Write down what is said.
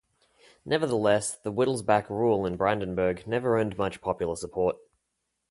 Nevertheless, the Wittelsbach rule in Brandenburg never earned much popular support.